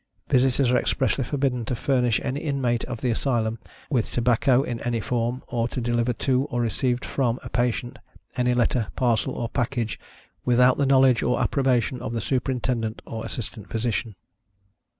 Visitors are expressly forbidden to furnish any inmate of the Asylum with tobacco in any form; or to deliver to, or receive from a patient, any letter, parcel, or package, without the knowledge and approbation of the Superintendent, or Assistant Physician.